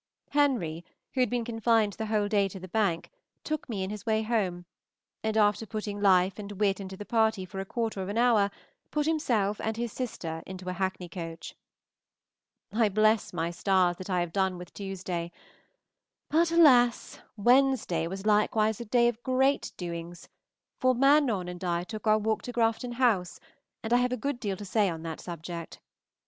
Henry, who had been confined the whole day to the bank, took me in his way home, and, after putting life and wit into the party for a quarter of an hour, put himself and his sister into a hackney coach. I bless my stars that I have done with Tuesday. But, alas! Wednesday was likewise a day of great doings, for Manon and I took our walk to Grafton House, and I have a good deal to say on that subject.